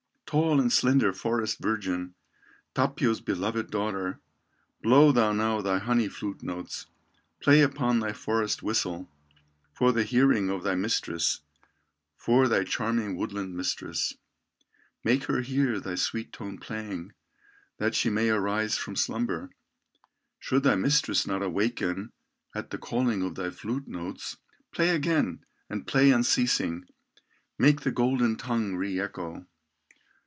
"Tall and slender forest virgin, Tapio's beloved daughter, Blow thou now thy honey flute notes, Play upon thy forest whistle, For the hearing of thy mistress, For thy charming woodland mistress, Make her hear thy sweet toned playing, That she may arise from slumber. Should thy mistress not awaken At the calling of thy flute notes, Play again, and play unceasing, Make the golden tongue re echo."